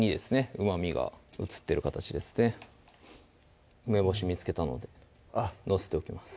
うまみが移ってる形ですね梅干し見つけたので載せておきます